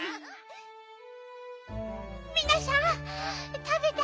みなしゃんたべて。